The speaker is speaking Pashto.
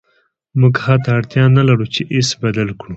موږ حتی اړتیا نلرو چې ایس بدل کړو